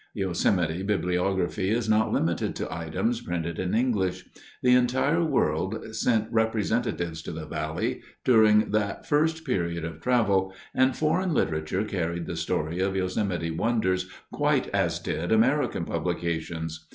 Yosemite bibliography is not limited to items printed in English. The entire world sent representatives to the valley during that first period of travel, and foreign literature carried the story of Yosemite wonders quite as did American publications.